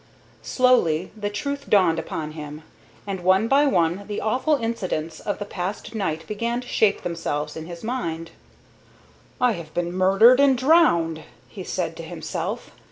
Slowly the truth dawned upon him, and one by one the awful incidents of the past night began to shape themselves in his mind. "I have been murdered and drowned," he said to himself.